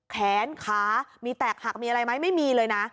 แขนขามีแตกหักมีอะไรไหมไม่มีเลยนะ